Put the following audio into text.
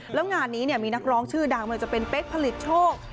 แล้วงานนี้มีนักร้องชื่อดังไม่ว่าจะเป็นเป๊กผลิตโชค